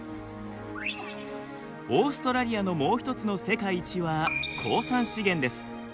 オーストラリアのもう一つの世界一は鉱産資源です。